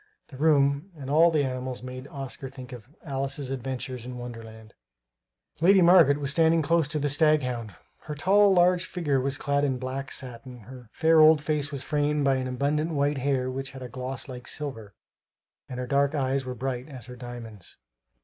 The room and all the animals made Oscar think of Alice's Adventures in Wonderland. Lady Margaret was standing close to the staghound. Her tall, large figure was clad in black satin; her fair old face was framed by abundant white hair which had a gloss like silver; and her dark eyes were bright as her diamonds.